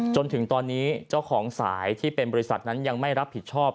จนถึงตอนนี้เจ้าของสายที่เป็นบริษัทนั้นยังไม่รับผิดชอบ